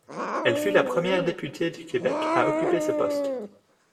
Elle fut la première députée du Québec à occuper ce poste.